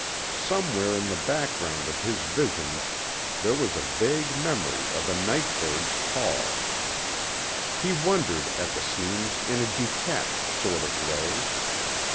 Somewhere in the background of his visions there was a vague memory of a night bird's call. He wondered at the scenes in a detached sort of way.